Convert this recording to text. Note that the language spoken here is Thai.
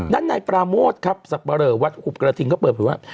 ด้านในปราโมทครับสับปะเลอวัดหุบกระทิงก็เปิดเผยว่า